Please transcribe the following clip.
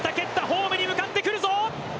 ホームに向かってくるぞ！